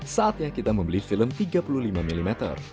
saatnya kita membeli film tiga puluh lima mm